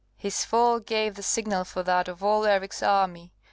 His fall gave the signal for that of all Eric's army.